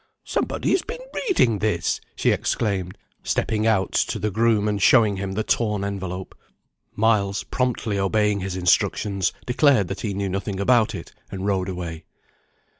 "Somebody has been reading this!" she exclaimed, stepping out to the groom, and showing him the torn envelope. Miles, promptly obeying his instructions, declared that he knew nothing about it, and rode away.